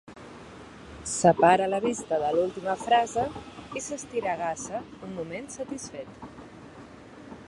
Separa la vista de l'última frase i s'estiregassa un moment, satisfet.